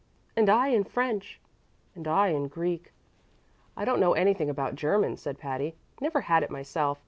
"And I in French." "And I in Greek." "I don't know anything about German," said Patty. "Never had it myself.